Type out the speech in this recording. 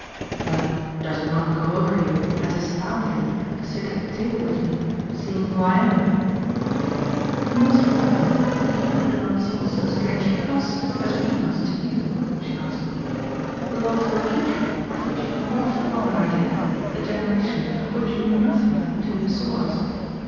"But does it not come over you as astounding to sit at table with me, seeing who I am?" "You must remember that you do not seem so strange to us as we must to you," she answered. "We belong to a future of which you could not form an idea, a generation of which you knew nothing until you saw us.